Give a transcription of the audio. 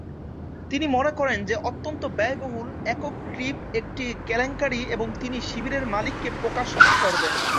তিনি মনে করেন যে অত্যন্ত ব্যয়বহুল একক ট্রিপ একটি কেলেঙ্কারী এবং তিনি শিবিরের মালিককে প্রকাশ করবেন।